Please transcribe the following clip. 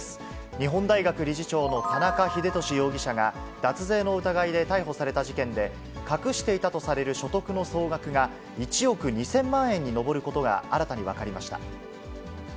日本大学理事長の田中英壽容疑者が、脱税の疑いで逮捕された事件で、隠していたとされる所得の総額が、１億２０００万円に上ることが新たに分かりました。